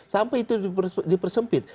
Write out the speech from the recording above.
sampai itu dipersempit